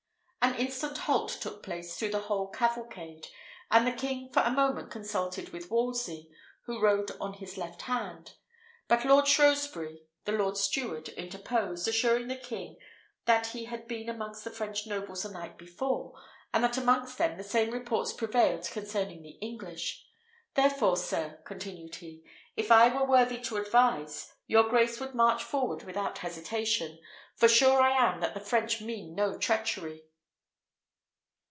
An instant halt took place through the whole cavalcade, and the king for a moment consulted with Wolsey, who rode on his left hand; but Lord Shrewsbury, the lord steward, interposed, assuring the king that he had been amongst the French nobles the night before, and that amongst them the same reports prevailed concerning the English. "Therefore, sir," continued he, "if I were worthy to advise, your grace would march forward without hesitation; for sure I am that the French mean no treachery."